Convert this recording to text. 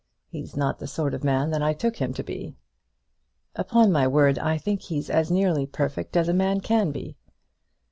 He's not the sort of man that I took him to be." "Upon my word I think he's as nearly perfect as a man can be."